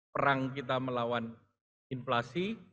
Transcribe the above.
perang kita melawan inflasi